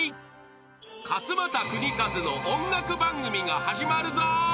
［勝俣州和の音楽番組が始まるぞ］